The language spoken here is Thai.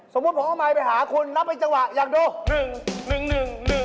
สมมุติผมเอาไมค์ไปหาคุณนับเป็นจังหวะอยากดู